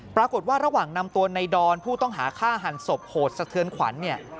ปรากฏว่าระหว่างนำตัวในดอนผู้ต้องหาฆ่าหันศพโหดสะเทือนขวัญเนี่ย